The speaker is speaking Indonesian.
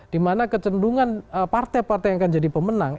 dimana kecendungan partai partai yang akan jadi pemenang